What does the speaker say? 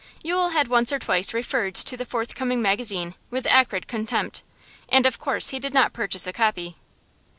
Yule had once or twice referred to the forthcoming magazine with acrid contempt, and of course he did not purchase a copy.